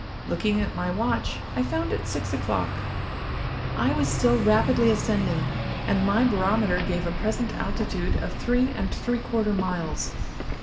Looking at my watch, I found it six o'clock. I was still rapidly ascending, and my barometer gave a present altitude of three and three quarter miles.